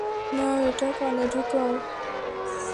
নাও, এটা কানে ঢোকাও।